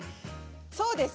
そうです。